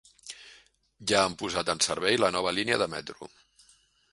Ja han posat en servei la nova línia de metro.